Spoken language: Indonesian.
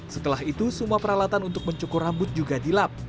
setelah itu semua peralatan untuk mencukur rambut juga dilap